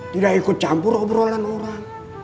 tidak ikut campur obrolan orang